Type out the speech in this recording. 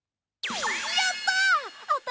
やった！